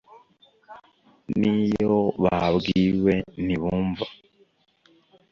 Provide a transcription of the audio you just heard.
n’iyo babwiwe ntibumva